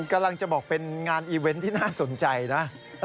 กำลังจะบอกเป็นงานอีเวนต์ที่น่าสนใจนะ